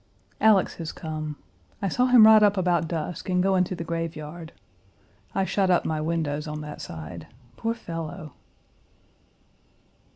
Alex has come. I saw him ride up about dusk and go into the graveyard. I shut up my windows on that side. Poor fellow!